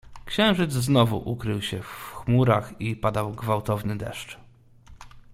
"Księżyc znowu ukrył się w chmurach i padał gwałtowny deszcz."